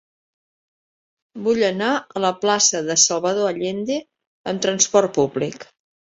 Vull anar a la plaça de Salvador Allende amb trasport públic.